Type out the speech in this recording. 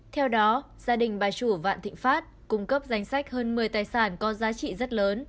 theo đó gia đình bà chủ vạn thịnh pháp cung cấp danh sách hơn một mươi tài sản có giá trị rất lớn